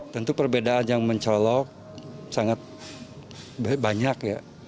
tentu perbedaan yang mencolok sangat banyak ya